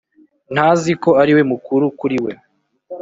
Ntaziko ariwe mukuru kuri we